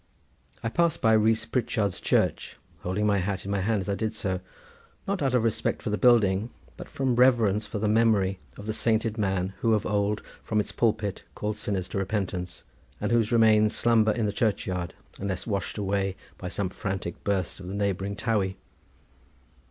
I passed by Rees Pritchard's church, holding my hat in my hand as I did so, not out of respect for the building, but from reverence for the memory of the sainted man who of old from its pulpit called sinners to repentance, and whose remains slumber in the churchyard unless washed away by some frantic burst of the neighbouring Towey.